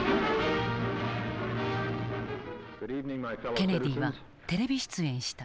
ケネディはテレビ出演した。